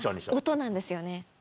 音なんですよね。